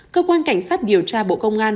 cơ quan cảnh sát điều tra bộ công an